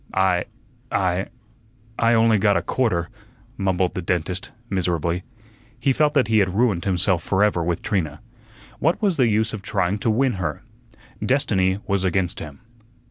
"I I I only got a quarter," mumbled the dentist, miserably. He felt that he had ruined himself forever with Trina. What was the use of trying to win her? Destiny was against him.